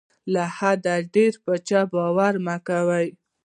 له حده ډېر په چا باور مه کوه.